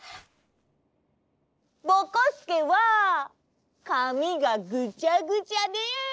ぼこすけはかみがぐちゃぐちゃで。